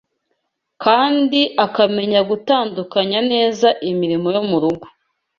kandi akamenya gutunganya neza imirimo yo mu rugo.